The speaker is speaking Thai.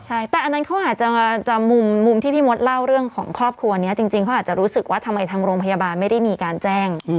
ใช่แต่อันนั้นเขาอาจจะมุมที่พี่มดเล่าเรื่องของครอบครัวนี้จริงเขาอาจจะรู้สึกว่าทำไมทางโรงพยาบาลไม่ได้มีการแจ้ง